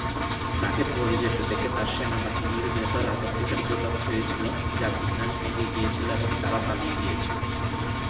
তাকে পড়ে যেতে দেখে তার সেনাবাহিনীর ভেতর আতঙ্কের সূত্রপাত হয়েছিল যা বিন্যাস ভেঙে গিয়েছিল এবং তারা পালিয়ে গিয়েছিল।